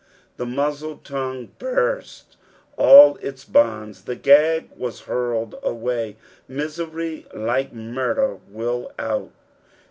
The muzzled tongue burst all its bonds. The gag was hurled away. Misery, like murder, will out.